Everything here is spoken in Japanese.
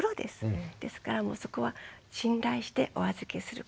ですからもうそこは信頼してお預けすること。